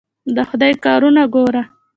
د خدای کارونه ګوره!